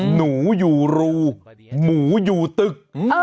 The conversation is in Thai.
หนูอยู่รูหมูอยู่ตึก